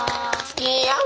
好きよ！